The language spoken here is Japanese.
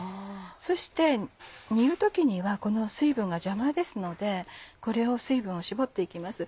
そして煮る時にはこの水分が邪魔ですので水分を絞って行きます。